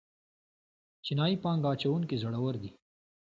چینايي پانګه اچوونکي زړور دي.